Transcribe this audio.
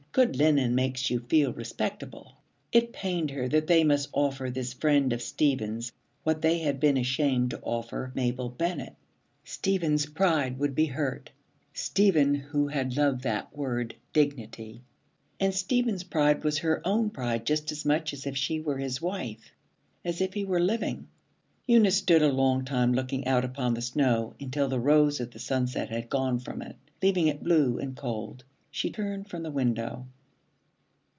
Good linen makes you feel respectable.' It pained her that they must offer this friend of Stephen's what they had been ashamed to offer Mabel Bennet. Stephen's pride would be hurt, Stephen who had loved that word 'dignity'; and Stephen's pride was her own pride just as much as if she were his wife, as if he were living. Eunice stood a long time looking out upon the snow, until the rose of the sunset had gone from it, leaving it blue and cold. She turned from the window.